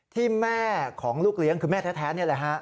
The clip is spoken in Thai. ที่แม่ของลูกเลี้ยงคือแม่แท้นี่แหละฮะ